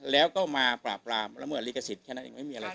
แล้วก็มาปราบรามละเมิดลิขสิทธิ์แค่นั้นเองไม่มีอะไร